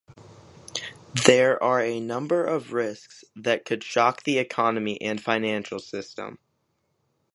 there are a number of risks that could shock the economy and financial system